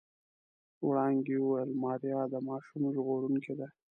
وړانګې وويل ماريا د ماشوم ژغورونکې ده.